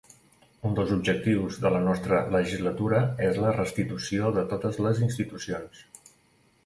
Un dels objectius de la nostra legislatura és la restitució de totes les institucions.